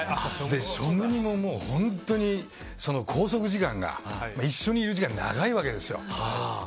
「ショムニ」も本当に拘束時間が一緒にいる時間が長いわけですよ。